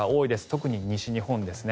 特に西日本ですね。